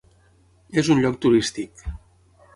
És un lloc turístic.